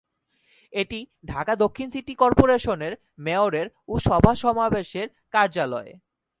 এটি ঢাকা দক্ষিণ সিটি কর্পোরেশনের মেয়রের ও সভা-সমাবেশের কার্যালয়।